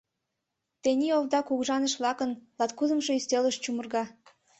Тений Овда кугыжаныш-влакын Латкудымшо Ӱстелышт чумырга.